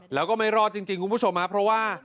แล้วก็ไม่รอดจริงคุณผู้ชมครับเพราะว่า